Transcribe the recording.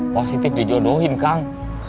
positif dijodohin kang